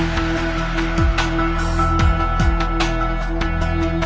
สวัสดีครับสวัสดีครับ